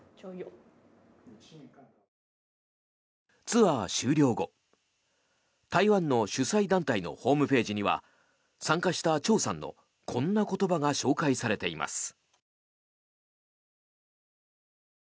ツアー終了後台湾の主催団体のホームページには参加したチョウさんのこんな言葉が紹介されています。